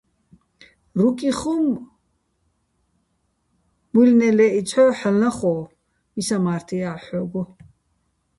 რუკი ხომ მუჲლნე́ ლე́ჸიც ჰ̦ო́ჼ, ჰ̦ალო̆ ლახო́, მისამართ ჲა́ჰ̦ ჰ̦ო́გო.